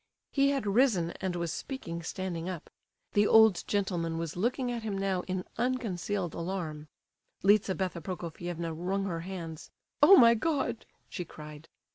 He had risen, and was speaking standing up. The old gentleman was looking at him now in unconcealed alarm. Lizabetha Prokofievna wrung her hands. "Oh, my God!" she cried.